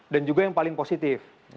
dan juga yang paling positif